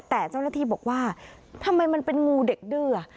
แต่เจ้าหน้าที่บอกว่าทำไมมันเป็นงูเด็กดื้อ